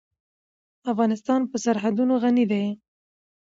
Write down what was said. افغانستان په سرحدونه غني دی.